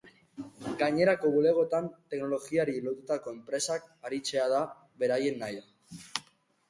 Gainerako bulegoetan teknologiari lotutako enpresak aritzea da beraien nahia.